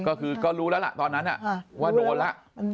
ก็คือก็รู้แล้วล่ะตอนนั้นว่าโดนแล้ว